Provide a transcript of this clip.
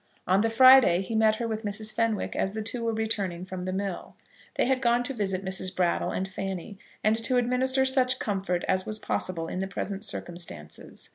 On the Friday he met her with Mrs. Fenwick as the two were returning from the mill. They had gone to visit Mrs. Brattle and Fanny, and to administer such comfort as was possible in the present circumstances.